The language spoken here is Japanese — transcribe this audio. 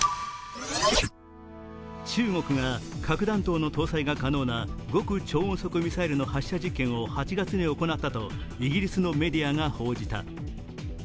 中国が核弾頭の搭載が可能な極超音速ミサイルの発射実験を８月に行ったとイギリスのメディアが報じた。